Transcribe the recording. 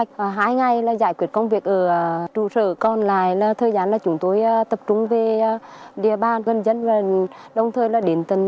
trong trường hợp trụ sở còn lại thời gian chúng tôi tập trung về địa bàn dân dân và đồng thời đến tầm